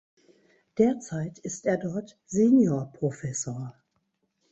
Derzeit ist er dort Seniorprofessor.